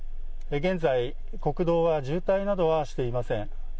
現在、国道は渋滞などはしていません。